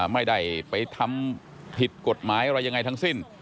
ไม่ได้ไปทำผิดกฎหมายอะไรยังไงทั้งสิ้น